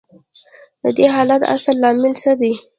د دې حالت اصلي لامل څه دی